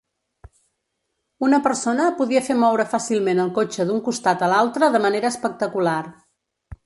Una persona podia fer moure fàcilment el cotxe d'un costat a l'altre de manera espectacular.